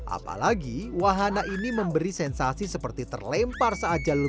apalagi wahana ini memberi sensasi seperti terlempar seajal berbelok